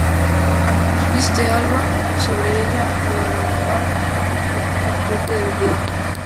Viste alba, y sobre ella la dalmática, prenda propia del diácono.